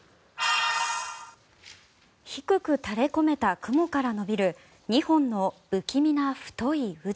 低く垂れ込めた雲から延びる２本の不気味な黒い渦。